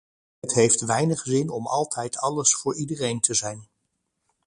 Het heeft weinig zin om altijd alles voor iedereen te zijn.